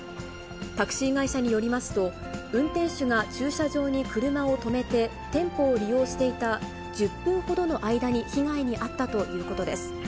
タクシー会社によりますと、運転手が駐車場に車を止めて、店舗を利用していた１０分ほどの間に被害に遭ったということです。